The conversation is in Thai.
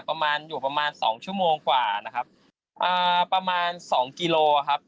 ประมาณอยู่ประมาณสองชั่วโมงกว่านะครับอ่าประมาณสองกิโลครับ